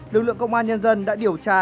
lực lượng công an nhân dân đã điều tra